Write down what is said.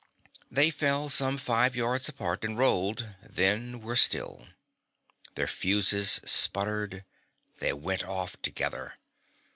They fell some five yards apart and rolled, then were still. Their fuses sputtered. They went off together.